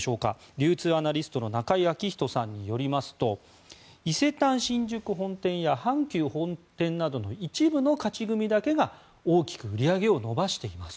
流通アナリストの中井彰人さんによりますと伊勢丹新宿本店や阪急本店などの一部の勝ち組だけが大きく売り上げを伸ばしています。